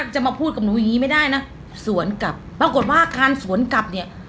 จะมาพูดกับหนูอย่างงี้ไม่ได้นะสวนกลับปรากฏว่าการสวนกลับเนี่ย